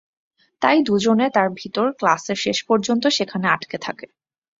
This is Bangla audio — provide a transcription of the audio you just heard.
তাই দু-জনে তার ভিতর ক্লাসের শেষ পর্যন্ত সেখানে আটকে থাকে।